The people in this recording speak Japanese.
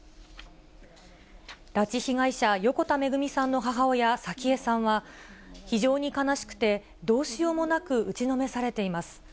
拉致被害者、横田めぐみさんの母親、早紀江さんは、非常に悲しくて、どうしようもなく打ちのめされています。